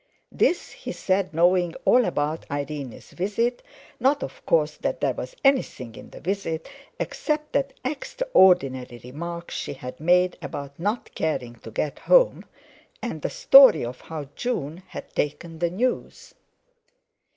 This he said, knowing all about Irene's visit not, of course, that there was anything in the visit, except that extraordinary remark she had made about "not caring to get home"—and the story of how June had taken the news!